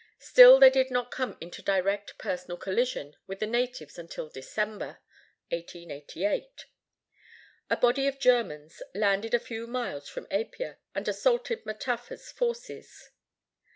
Still they did not come into direct personal collision with the natives until December, 1888. A body of Germans landed a few miles from Apia, and assaulted Mataafa's forces.